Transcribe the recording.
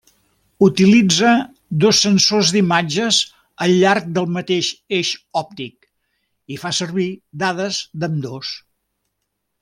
Utilitza dos sensors d'imatges al llarg del mateix eix òptic, i fa servir dades d'ambdós.